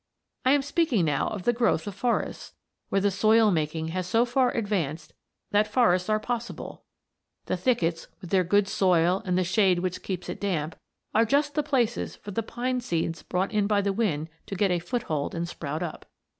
I am speaking now of the growth of forests, where the soil making has so far advanced that forests are possible. The thickets, with their good soil and the shade which keeps it damp, are just the places for the pine seeds brought in by the wind to get a foothold and sprout up.